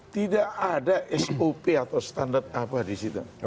tidak ada sop atau standar apa disitu